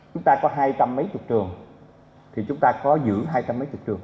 chúng ta có hai trăm mấy chục trường thì chúng ta có giữ hai trăm linh mấy chục trường